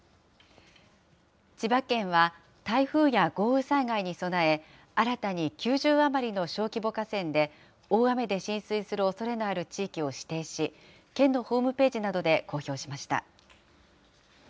千葉県は、台風や豪雨災害に備え、新たに９０余りの小規模河川で、大雨で浸水するおそれのある地域を指定し、県のホームページなどで公表しました。